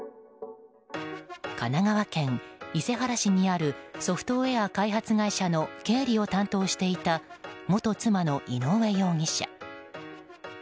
神奈川県伊勢原市にあるソフトウェア開発会社の経理を担当していた元妻の井上容疑者。